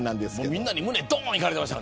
みんなに胸どん、いかれていました。